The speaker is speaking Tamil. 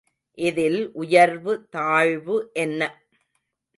இதில் உயர்வு தாழ்வு என்ன?